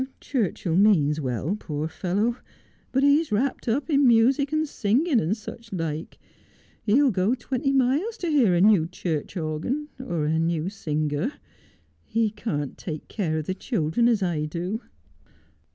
Churchill means well, poor fellow ; but he's wrapt up in music, and singing, and such like. He'll go twenty miles to hear a new church organ, or a new singer. He can't take care of the children as I do.'